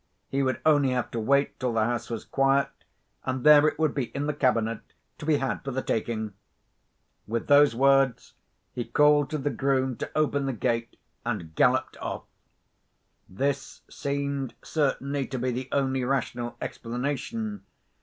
He would only have to wait till the house was quiet, and there it would be in the cabinet, to be had for the taking." With those words, he called to the groom to open the gate, and galloped off. This seemed certainly to be the only rational explanation.